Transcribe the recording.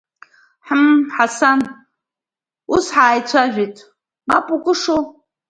Ҳм, Ҳасан, ус ҳаицәажәеит, мап укышоу?